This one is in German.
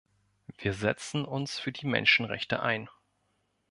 Wir setzen uns für die Menschenrechte ein.